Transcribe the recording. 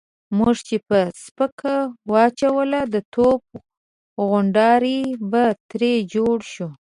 موږ چې به پسکه واچوله د توپ غونډاری به ترې جوړ شو.